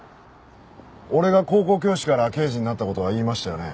俺が高校教師から刑事になった事は言いましたよね。